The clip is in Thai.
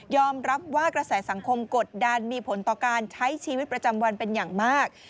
รับว่ากระแสสังคมกดดันมีผลต่อการใช้ชีวิตประจำวันเป็นอย่างมาก